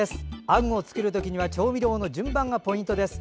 あんを作る時には調味料の順番がポイントです。